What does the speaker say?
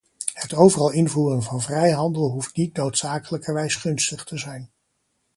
Het overal invoeren van vrijhandel hoeft niet noodzakelijkerwijs gunstig te zijn.